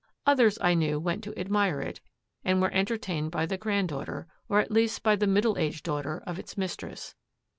Others, I knew, went to admire it, and were entertained by the granddaughter, or at least by the middle aged daughter, of its mistress.